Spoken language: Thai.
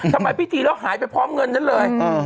ทำไมพิธีแล้วหายไปพร้อมเงินนั้นเลย